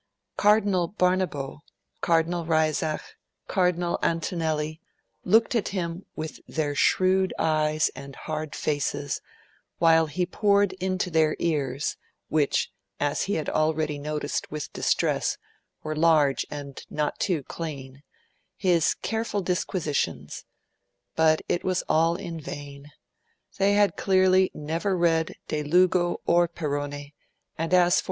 Cardinal Barnabo, Cardinal Reisach, Cardinal Antonelli, looked at him with their shrewd eyes and hard faces, while he poured into their ears which, as he had already noticed with distress, were large and not too clean his careful disquisitions; but, it was all in vain they had clearly never read De Lugo or Perrone, and as for M.